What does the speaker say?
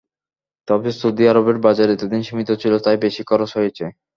তবে সৌদি আরবের বাজার এতদিন সীমিত ছিল, তাই বেশি খরচ হয়েছে।